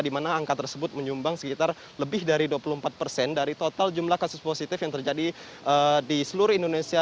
di mana angka tersebut menyumbang sekitar lebih dari dua puluh empat persen dari total jumlah kasus positif yang terjadi di seluruh indonesia